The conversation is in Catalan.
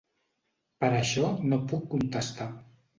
Per això no puc contestar.